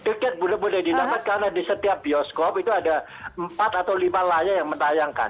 tiket boleh didapat karena di setiap bioskop itu ada empat atau lima layar yang menayangkan